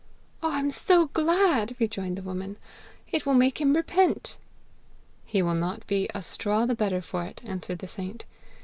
'I am so glad!' rejoined the woman; 'it will make him repent.' 'He will not be a straw the better for it!' answered the saint.